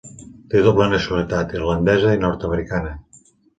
Té doble nacionalitat, irlandesa i nord-americana.